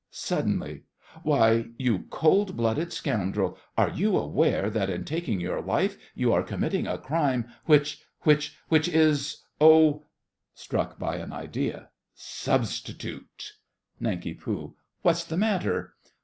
(Suddenly.) Why, you cold blooded scoundrel, are you aware that, in taking your life, you are committing a crime which—which—which is—— Oh! (Struck by an idea.) Substitute! NANK. What's the matter?